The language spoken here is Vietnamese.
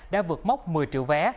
đã vượt mốc một mươi triệu vé